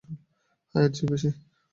হ্যাঁ, এর চেয়েও বেশি।